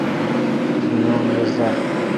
بییون رس دا۔